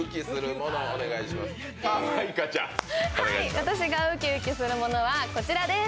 私がウキウキするものはこちらです。